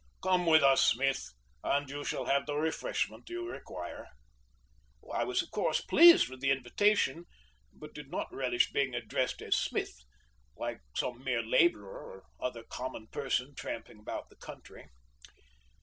Come with us, Smith, and you shall have the refreshment you require." I was, of course, pleased with the invitation, but did not relish being addressed as "Smith," like some mere laborer or other common person tramping about the country.